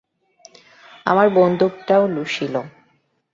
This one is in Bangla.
আমার বন্দুকটাও, লুসিল।